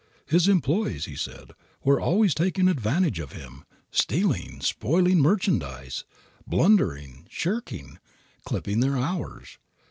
His employees, he said, were always taking advantage of him, stealing, spoiling merchandise, blundering, shirking, clipping their hours.